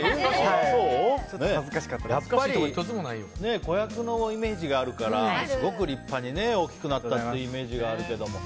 やっぱり子役のイメージがあるからすごく立派に大きくなったってイメージがあるけれども。